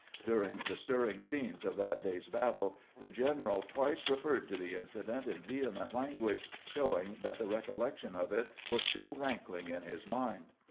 During the stir ring scenes of that day's battle the general twice referred to the incident in vehement language, showing that the recollection of it was still rankling in his mind.